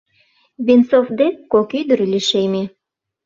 Венцов дек кок ӱдыр лишеме.